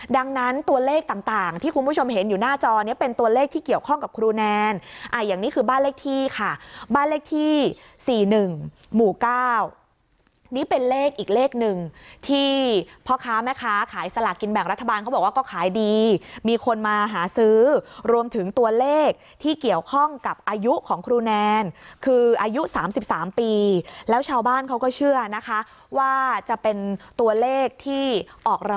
ดังนั้นตัวเลขต่างที่คุณผู้ชมเห็นอยู่หน้าจอนี้เป็นตัวเลขที่เกี่ยวข้องกับครูแนนอย่างนี้คือบ้านเลขที่ค่ะบ้านเลขที่๔๑หมู่๙นี่เป็นเลขอีกเลขหนึ่งที่พ่อค้าแม่ค้าขายสลากกินแบ่งรัฐบาลเขาบอกว่าก็ขายดีมีคนมาหาซื้อรวมถึงตัวเลขที่เกี่ยวข้องกับอายุของครูแนนคืออายุ๓๓ปีแล้วชาวบ้านเขาก็เชื่อนะคะว่าจะเป็นตัวเลขที่ออกร